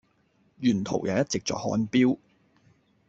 沿途也一直在看錶